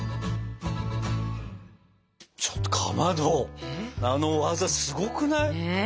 ちょっとかまどあの技すごくない？